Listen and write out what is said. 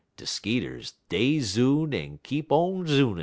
(_De skeeters dey zoon, en dey keep on zoonin'.